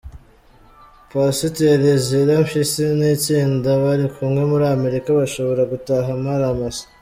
Pasiteri Ezira Mpyisi n’itsinda barikumwe muri Amerika bashobora gutaha amara masa